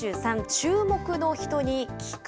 注目の人に聞く。